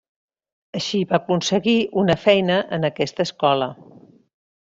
Així va aconseguir una feina en aquesta escola.